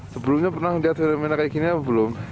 sebelumnya pernah melihat fenomena kayak gini apa belum